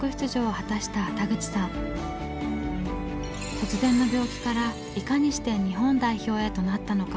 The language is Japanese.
突然の病気からいかにして日本代表へとなったのか。